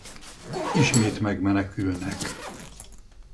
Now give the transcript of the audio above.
Ismét megmenekülnek.